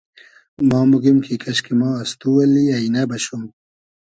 ما موگیم کی کئشکی ما از تو اللی اݷنۂ بئشوم